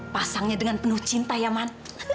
pasangnya dengan penuh cinta ya man